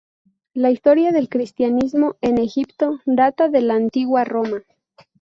La historia del cristianismo en Egipto data de la Antigua Roma.